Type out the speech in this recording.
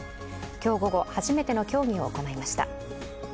今日午後、初めての協議を行いました。